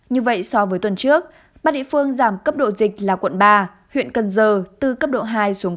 như vậy so với tuần trước ba địa phương giảm cấp độ dịch là quận ba huyện cần giờ từ cấp độ hai xuống cấp